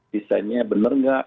desainnya benar nggak